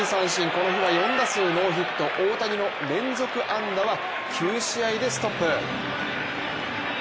この日は４打数ノーヒット、大谷の連続安打は９試合でストップ。